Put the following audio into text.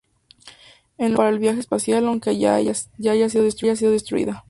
Él lo utilizó para el viaje espacial, aunque ya ha sido destruida.